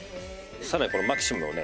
さらにマキシムのね